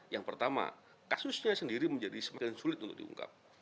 yang pertama kasusnya sendiri menjadi semakin sulit untuk diungkap